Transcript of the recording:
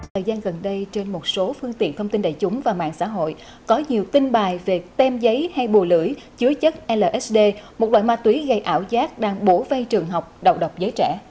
thời gian gần đây trên một số phương tiện thông tin đại chúng và mạng xã hội có nhiều tin bài về tem giấy hay bù lưỡi chứa chất lsd một loại ma túy gây ảo giác đang bổ vây trường học đầu độc giới trẻ